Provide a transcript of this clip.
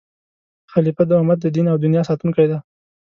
خلیفه د امت د دین او دنیا ساتونکی دی.